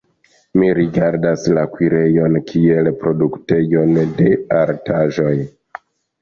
Mi rigardas la kuirejon kiel produktejon de artaĵoj.